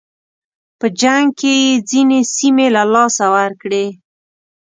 په جنګ کې یې ځینې سیمې له لاسه ورکړې.